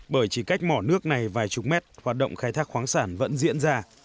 bởi chỉ cách mỏ nước này vài chục mét hoạt động khai thác khoáng sản vẫn diễn ra